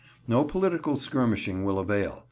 No political skirmishing will avail.